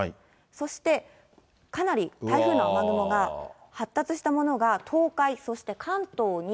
そしてかなり台風の雨雲が発達したものが東海、そして関東に。